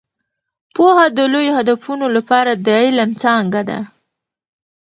پوهه د لوی هدفونو لپاره د علم څانګه ده.